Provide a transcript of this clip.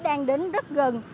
đang đến rất gần